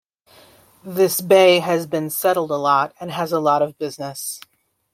This bay has been settled a lot and has a lot of business.